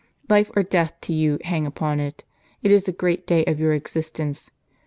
Life or death to you hang upon it ; it is the great day of your existence.